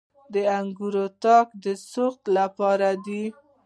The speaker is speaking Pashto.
د انګورو تاکونه د سوخت لپاره دي.